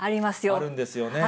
あるんですよね。